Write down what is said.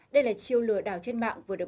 đây là chiêu lừa đảo trên mạng vừa được phát triển